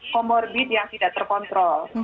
komorbid yang tidak terkontrol